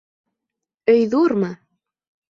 Өй ҙурмы?